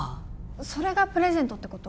それがプレゼントってこと？